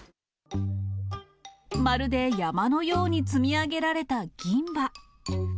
まるで山のように積み上げられた銀歯。